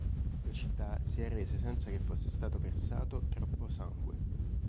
La città si arrese senza che fosse stato versato troppo sangue.